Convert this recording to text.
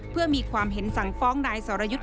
เพื่อมีความเห็นสั่งฟ้องนายสรยุทธ์